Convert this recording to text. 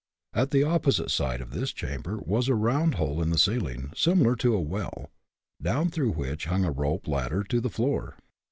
At the opposite side of this chamber was a round hole in the ceiling, similar to a well, down through which hung a rope ladder to the floor.